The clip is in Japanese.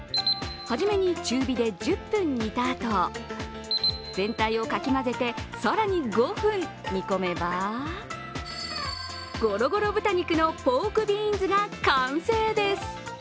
初めに中火で１０分煮たあと、全体をかき混ぜて更に５分煮込めばごろごろ豚肉のポークビーンズが完成です。